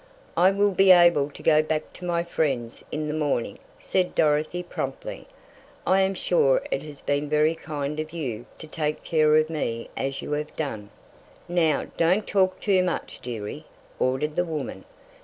"I will be able to go back to my friends in the morning," said Dorothy promptly. "I am sure it has been very kind of you to take care of me as you have done." "Now, don't talk too much dearie," ordered the woman.